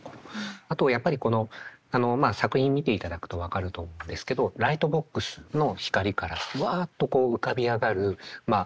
あとやっぱりこのまあ作品見ていただくと分かると思うんですけどライトボックスの光からワッとこう浮かび上がるまあ